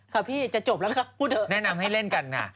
ค่ะพี่จะจบแล้วนะครับพูดเถอะแนะนำให้เล่นกันก่อน